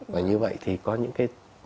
và như vậy thì có những cái